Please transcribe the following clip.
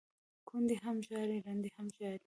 ـ کونډې هم ژاړي ړنډې هم ژاړي،